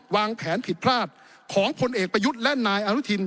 วางแผนผิดพลาดของพลเอกประยุทธ์และนายอนุทิน